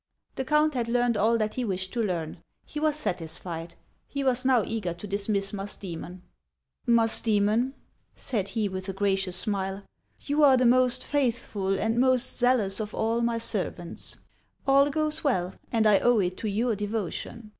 The count had learned all that he wished to learn ; he was satisfied ; he was now eager to dismiss Musdocmon. HANS OF ICELAND. 173 " Musdcemon," said he, with a gracious smile, " you are the most faithful and most zealous of all my servants. All goes well, and I owe it to your devotion.